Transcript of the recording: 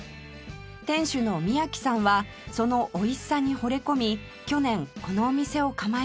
店主の宮木さんはその美味しさにほれ込み去年このお店を構えました